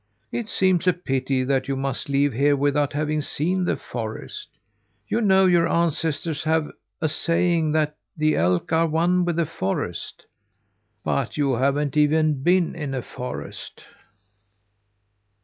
It seems a pity that you must leave here without having seen the forest. You know your ancestors have a saying that 'the elk are one with the forest.' But you haven't even been in a forest!"